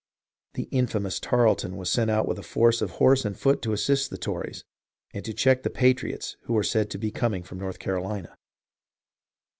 The infamous Tarleton was sent out with a force of horse and foot to assist the Tories, and to check the patri ots who were said to be coming from North Carolina.